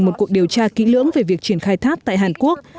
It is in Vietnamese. hàn quốc đang được điều tra kỹ lưỡng về việc triển khai tháp tại hàn quốc